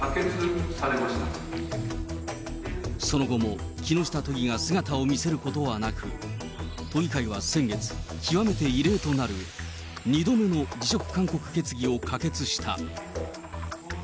その後も木下都議が姿を見せることはなく、都議会は先月、極めて異例となる、２度目の辞職勧告決議を可決した。